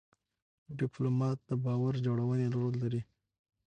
ډيپلومات د باور جوړونې رول لري.